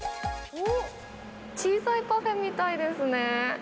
小さいパフェみたいですね。